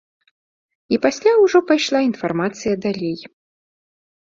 І пасля ўжо пайшла інфармацыя далей.